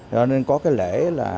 cho nên có cái lễ là